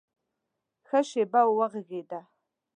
ښه شېبه وږغېدی !